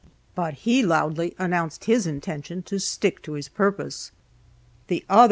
But he loudly announced his intention to stick to his purpose. The other Co.